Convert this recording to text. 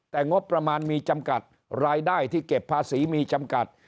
แต่งบประมาณมีจำกัดรายได้ที่เก็บภาษีมีจำกัด